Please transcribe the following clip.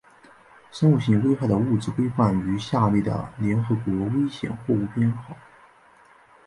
生物性危害的物质规范于下列的联合国危险货物编号